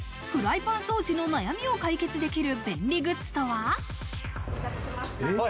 フライパン掃除の悩みを解決できる便利グッズとは？